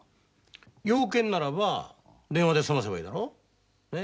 用件ならば電話で済ませばいいだろ。ね。